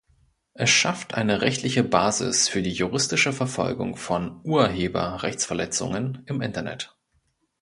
Es schafft eine rechtliche Basis für die juristische Verfolgung von Urheberrechtsverletzungen im Internet.